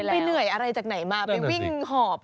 ไปเหนื่อยอะไรจากไหนมาไปวิ่งหอบ